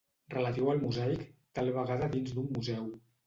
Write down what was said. Relatiu al mosaic, tal vegada dins d'un museu.